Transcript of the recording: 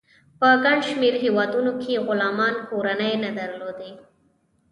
په ګڼ شمیر هیوادونو کې غلامانو کورنۍ نه درلودې.